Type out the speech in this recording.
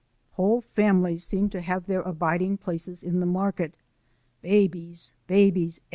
Whole families seemed to have their abiding places in the market. Babies! babies!